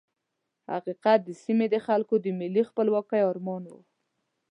حقیقت د سیمې د خلکو د ملي خپلواکۍ ارمان وو.